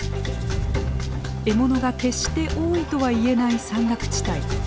獲物が決して多いとはいえない山岳地帯。